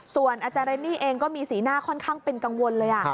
ส่วนอาจารย์เรนนี่เองก็มีสีหน้าค่อนข้างเป็นกังวลเลย